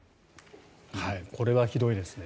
これはひどいですね。